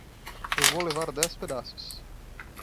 Eu vou levar dez pedaços.